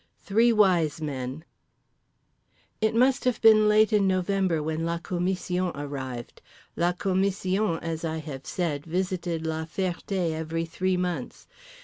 XII. THREE WISE MEN It must have been late in November when la commission arrived. La commission, as I have said, visited La Ferté every three months.